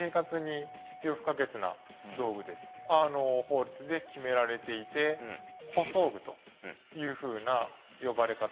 法律で決められていて「補装具」というふうな呼ばれ方をします。